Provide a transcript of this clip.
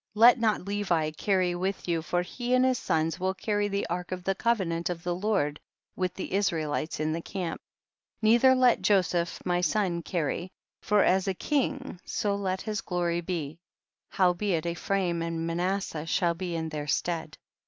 Let not Levi carry with you, for he and his sons will carry tiie ark of the covenant of the Lord with the Israelites in the camp, neither let Joseph my son carry, for as a king so let his glory be ; howbeit, Ephraim and Manasseh shall be in their stead.